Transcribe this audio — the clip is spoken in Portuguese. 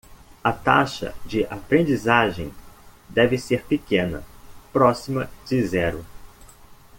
A taxa de aprendizagem deve ser pequena, próxima de zero.